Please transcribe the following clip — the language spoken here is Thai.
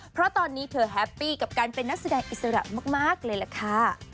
เพราะตอนนี้เธอแฮปปี้กับการเป็นนักแสดงอิสระมากเลยล่ะค่ะ